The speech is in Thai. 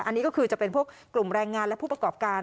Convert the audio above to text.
อันนี้ก็คือจะเป็นพวกกลุ่มแรงงานและผู้ประกอบการ